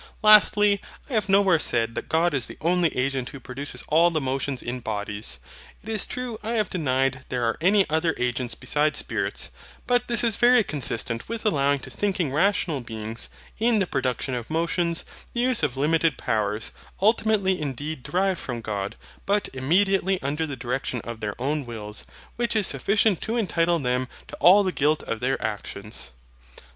Lastly, I have nowhere said that God is the only agent who produces all the motions in bodies. It is true I have denied there are any other agents besides spirits; but this is very consistent with allowing to thinking rational beings, in the production of motions, the use of limited powers, ultimately indeed derived from God, but immediately under the direction of their own wills, which is sufficient to entitle them to all the guilt of their actions.